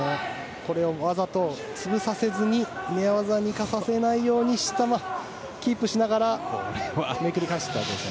これをわざと潰させずに寝技に行かさせないようにキープしながらめくり返しました。